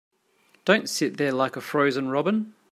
Don't sit there like a frozen robin.